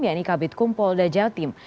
yakni kabitkum polda jatim